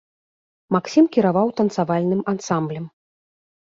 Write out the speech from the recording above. Максім кіраваў танцавальным ансамблем.